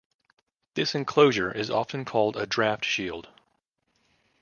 This enclosure is often called a draft shield.